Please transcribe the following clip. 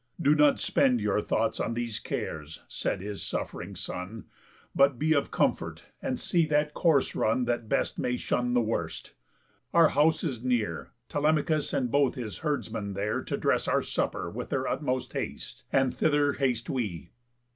"Do not spend Your thoughts on these cares," said his suff'ring son, "But be of comfort, and see that course run That best may shun the worst. Our house is near, Telemachus and both his herdsmen there To dress our supper with their utmost haste; And thither haste we."